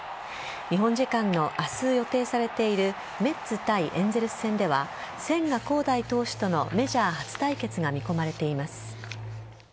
日本時間の明日予定されているメッツ対エンゼルス戦では千賀滉大投手とのメジャー初対決が見込まれています。